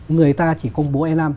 người ta chỉ công bố e năm